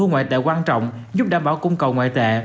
đây cũng là nguồn thu ngoại tệ quan trọng giúp đảm bảo cung cầu ngoại tệ